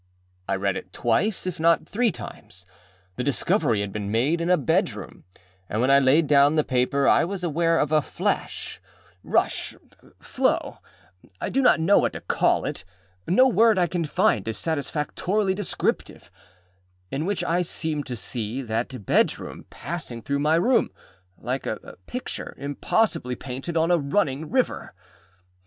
I read it twice, if not three times. The discovery had been made in a bedroom, and, when I laid down the paper, I was aware of a flashârushâflowâI do not know what to call it, âno word I can find is satisfactorily descriptive, âin which I seemed to see that bedroom passing through my room, like a picture impossibly painted on a running river.